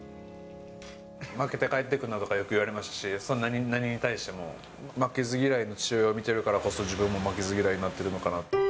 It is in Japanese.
負けて帰ってくるなとかよく言われましたし、何に対しても。負けず嫌いの父親を見てるからこそ、自分も負けず嫌いになってるのかなと。